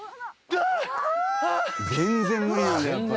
全然無理なんだやっぱり。